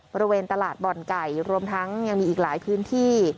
บริเวณตลาดบ่อนไก่รวมทั้งยังมีอีกหลายพื้นที่